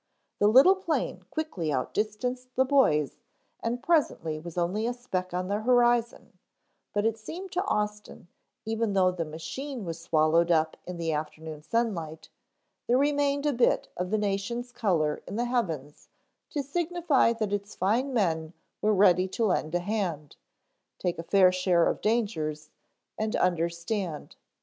The little plane quickly outdistanced the boys and presently was only a speck on the horizon, but it seemed to Austin, even though the machine was swallowed up in the afternoon sunlight, there remained a bit of the nation's color in the heavens to signify that its fine men were ready to lend a hand, take a fair share of dangers, and understand.